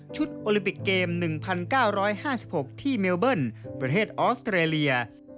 โอลิมปิกเกม๑๙๕๖ที่เมลเบิ้ลประเทศออสเตรเลีย